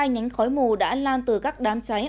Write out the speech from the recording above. hai nhánh khói mù đã lan từ các đám cháy